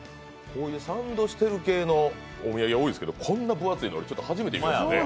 サンドしてる系のやつ多いですけど、こんな分厚いの、初めて見ました。